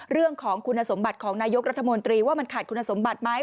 เรื่องของคุณสมบัติของนายกรัฐมนตรีว่ามันขาดคุณสมบัติไหม